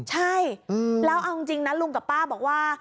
ใช่แล้วเอาจริงนะลุงกับป้าบอกว่า